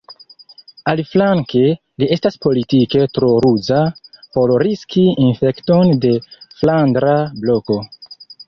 Aliflanke, li estas politike tro ruza por riski infekton de Flandra Bloko.